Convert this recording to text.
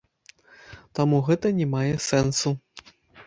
Таму гэта не мае сэнсу.